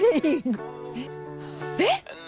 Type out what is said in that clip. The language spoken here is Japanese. えっ！